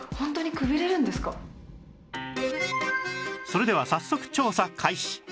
それでは早速調査開始